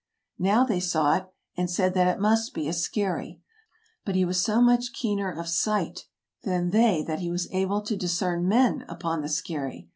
Now they saw it, and said that it must be a skerry ; but he was so much keener of sight than they that he was able to discern men upon the skerry.